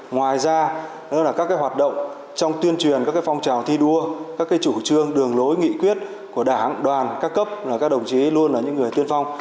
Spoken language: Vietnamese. ngoài ra các hoạt động trong tuyên truyền các phong trào thi đua các chủ trương đường lối nghị quyết của đảng đoàn các cấp các đồng chí luôn là những người tiên phong